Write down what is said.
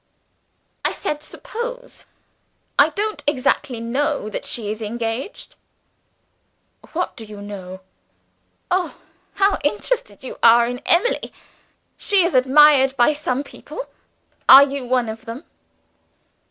"I said 'suppose.' I don't exactly know that she is engaged." "What do you know?" "Oh, how interested you are in Emily! She is admired by some people. Are you one of them?"